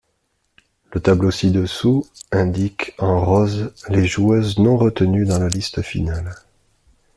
Le tableau ci-dessous indique en rose les joueuses non retenues dans la liste finale.